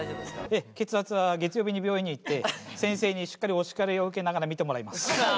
ええ血圧は月曜日に病院に行って先生にしっかりお叱りを受けながら診てもらいます。